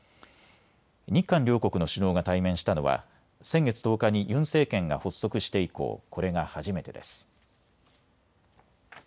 日韓両国の首脳が対面したのは先月１０日にユン政権が発足して以降、これが初めてです。